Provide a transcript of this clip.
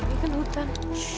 ini kan hutan